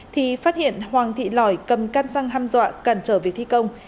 thì phát hiện hoàng thị lỏi cầm căn xăng ham dọa cản trở việc thi công